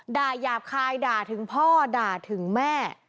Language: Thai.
หยาบคายด่าถึงพ่อด่าถึงแม่